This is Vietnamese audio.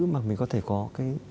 mà mình có thể có cái